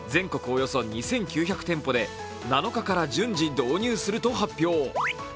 およそ２９００店舗で７日から順次導入すると発表。